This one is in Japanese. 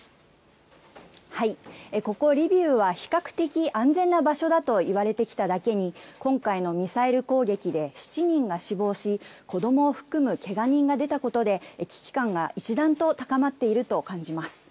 ここ、リビウは比較的安全な場所だといわれてきただけに、今回のミサイル攻撃で７人が死亡し、子どもを含むけが人が出たことで、危機感が一段と高まっていると感じます。